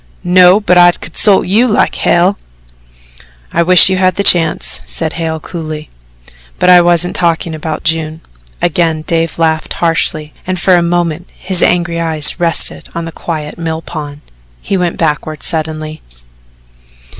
"No, but I'd consult you like hell." "I wish you had the chance," said Hale coolly; "but I wasn't talking about June." Again Dave laughed harshly, and for a moment his angry eyes rested on the quiet mill pond. He went backward suddenly.